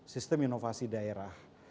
sistem inovasi daerah